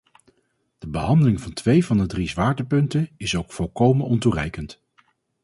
De behandeling van twee van de drie zwaartepunten is ook volkomen ontoereikend.